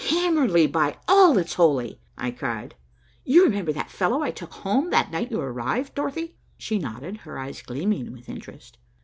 "Hamerly, by all that's holy!" I cried. "You remember that fellow I took home that night you arrived, Dorothy?" She nodded, her eyes gleaming with interest.